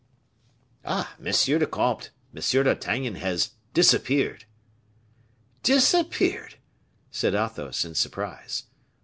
"Ah! monsieur le comte, Monsieur d'Artagnan has disappeared." "Disappeared!" said Athos, in surprise.